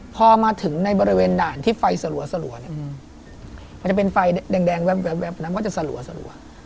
พอมาถึงในบริเวณด่านที่ไฟสลัวเนี่ยมันจะเป็นไฟแดงแว๊บนั้นก็จะสลัว